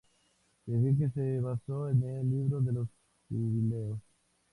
Se cree que se basó en el Libro de los Jubileos.